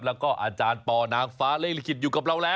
แล้วก็อาจารย์ปอนางฟ้าเลขลิขิตอยู่กับเราแล้ว